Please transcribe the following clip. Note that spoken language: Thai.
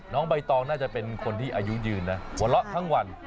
น้องใบตองน่าจะเป็นคนที่อายุยืนนะหัวเราะทั้งวัน